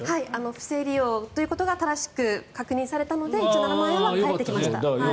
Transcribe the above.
不正利用ということが正しく確認されたので一応７万円は返ってきました。